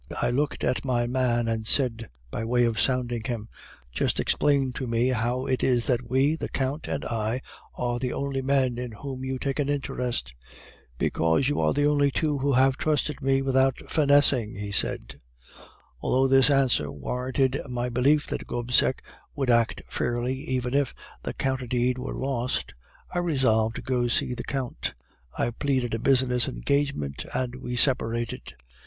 "I looked at my man, and said, by way of sounding him: "'Just explain to me how it is that we, the Count and I, are the only men in whom you take an interest?' "'Because you are the only two who have trusted me without finessing,' he said. "Although this answer warranted my belief that Gobseck would act fairly even if the counter deed were lost, I resolved to go to see the Count. I pleaded a business engagement, and we separated.